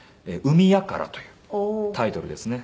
『海ヤカラ』というタイトルですね。